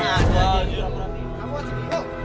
kamu masih bingung